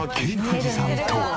富士山とは。